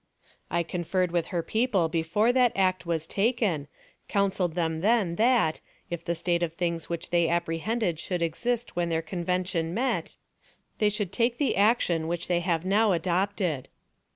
I conferred with her people before that act was taken, counseled them then that, if the state of things which they apprehended should exist when their Convention met, they should take the action which they have now adopted.